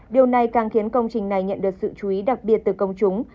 điều này càng khiến công trình này nhận được sự chú ý đặc biệt từ công chúng